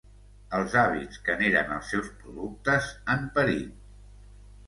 Els hàbits que n'eren els seus productes han perit.